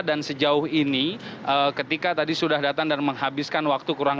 dan sejauh ini ketika tadi sudah datang dan menghabiskan waktu kurang